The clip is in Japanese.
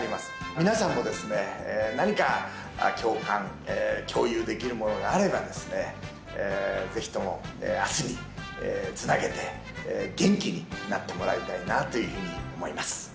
皆さんもですね、何か共感、共有できるものがあればですね、ぜひともあすにつなげて、元気になってもらいたいなというふうに思います。